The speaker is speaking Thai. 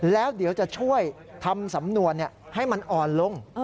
แล้วเดี๋ยวจะช่วยทำสำนวนให้มันอ่อนลง